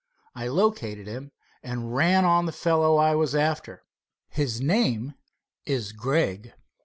I located him, and ran on the fellow I was after. His name is Gregg."